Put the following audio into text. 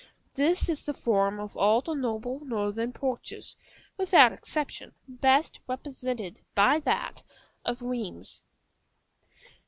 This is the form of all the noble northern porches, without exception, best represented by that of Rheims.